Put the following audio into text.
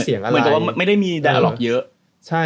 เหมือนกับว่าไม่ได้มีดาวหรอกเยอะ